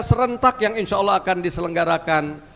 serentak yang insya allah akan diselenggarakan